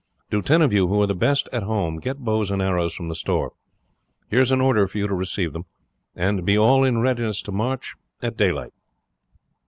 Do ten of you who were the best at home get bows and arrows from the store. Here is an order for you to receive them, and be all in readiness to march at daylight."